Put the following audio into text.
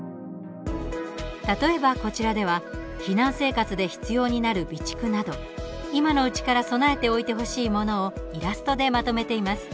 例えば、こちらでは避難生活で必要になる備蓄など今のうちから備えておいてほしいものをイラストでまとめています。